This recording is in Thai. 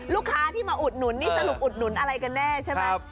ลูกค้าที่มาอุดหนุนนี่สรุปอุดหนุนอะไรกันแน่ใช่ไหม